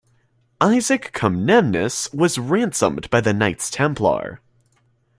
Isaac Comnenus was ransomed by the Knights Templar.